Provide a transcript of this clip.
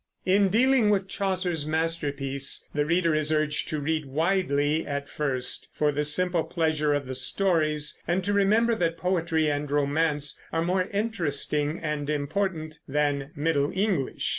In dealing with Chaucer's masterpiece, the reader is urged to read widely at first, for the simple pleasure of the stories, and to remember that poetry and romance are more interesting and important than Middle English.